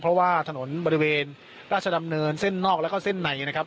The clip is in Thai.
เพราะว่าถนนบริเวณราชดำเนินเส้นนอกแล้วก็เส้นในนะครับ